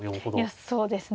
いやそうですね。